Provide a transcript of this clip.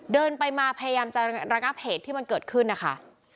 เดินไปมาพยายามจะระงับเหตุที่มันเกิดขึ้นนะคะ